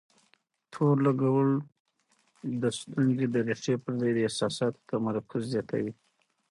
تور لګول د ستونزې د ريښې پر ځای د احساساتو تمرکز زياتوي.